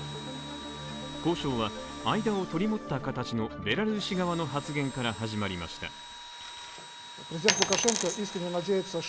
交渉は間を取り持った形のベラルーシ側の発言から始まりました。